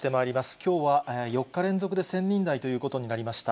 きょうは４日連続で１０００人台ということになりました。